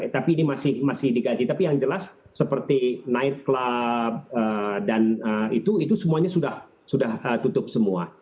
tapi ini masih dikaji tapi yang jelas seperti nightclub dan itu itu semuanya sudah tutup semua